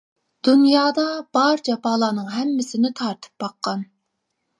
دۇنيادا بار جاپالارنىڭ ھەممىسىنى تارتىپ باققان.